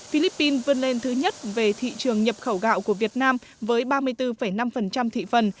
philippines vươn lên thứ nhất về thị trường nhập khẩu gạo của việt nam với ba mươi bốn năm thị phần